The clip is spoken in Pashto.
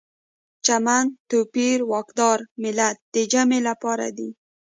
چمن، توپیر، واکدار، ملت د جمع لپاره دي.